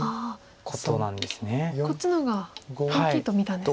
こっちの方が大きいと見たんですね。